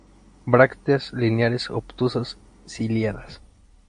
Brácteas lineares, obtusas, ciliadas.